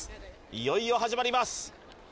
いよいよ始まります